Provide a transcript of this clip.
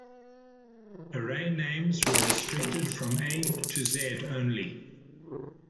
Array names were restricted to A to Z only.